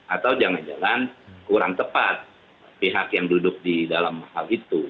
atau jangan jangan kurang tepat pihak yang duduk di dalam hal itu